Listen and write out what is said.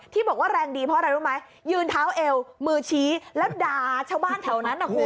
บอกว่าแรงดีเพราะอะไรรู้ไหมยืนเท้าเอวมือชี้แล้วด่าชาวบ้านแถวนั้นนะคุณ